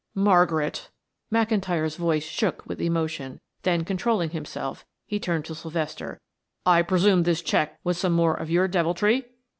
"Margaret!" McIntyre's voice shook with emotion; then controlling himself he turned to Sylvester. "I presume this check was some more of your deviltry?"